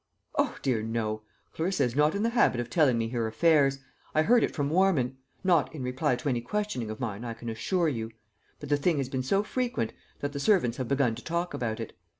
"O dear, no; Clarissa is not in the habit of telling me her affairs. I heard it from Warman; not in reply to any questioning of mine, I can assure you. But the thing has been so frequent, that the servants have begun to talk about it.